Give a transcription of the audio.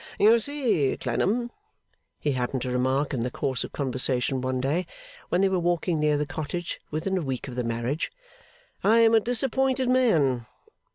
'You see, Clennam,' he happened to remark in the course of conversation one day, when they were walking near the Cottage within a week of the marriage, 'I am a disappointed man.